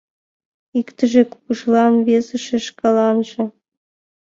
Иктыже — кугыжлан, весыже — шкаланже.